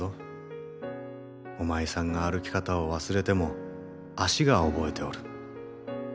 おまいさんが歩き方を忘れても足が覚えておる。